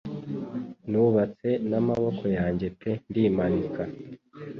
Nubatse n'amaboko yanjye pe ndimanika